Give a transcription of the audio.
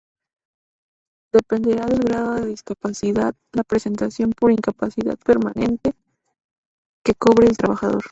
Dependerá del grado de discapacidad la prestación por incapacidad permanente que cobre el trabajador.